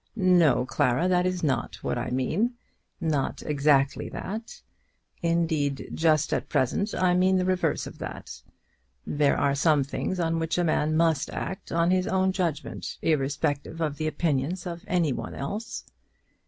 "No, Clara; that is not what I mean, not exactly that. Indeed, just at present I mean the reverse of that. There are some things on which a man must act on his own judgment, irrespectively of the opinions of any one else."